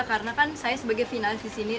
karena kan saya sebagai finalis disini